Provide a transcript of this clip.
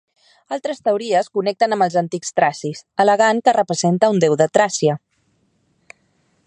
Altres teories connecten amb els antics tracis, al·legant que representa un déu de Tràcia.